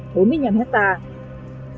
có diện tích bốn mươi năm hectare